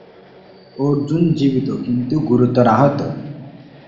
অর্জুন জীবিত কিন্তু গুরুতর আহত।